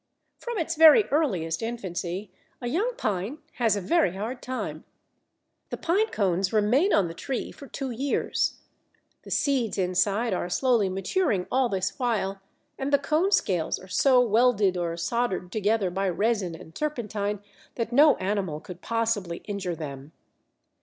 From its very earliest infancy a young Pine has a very hard time. The Pine cones remain on the tree for two years. The seeds inside are slowly maturing all this while, and the cone scales are so welded or soldered together by resin and turpentine that no animal could possibly injure them.